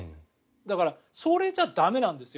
だから、それじゃ駄目なんですよ